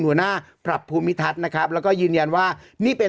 หัวหน้าปรับภูมิทัศน์นะครับแล้วก็ยืนยันว่านี่เป็น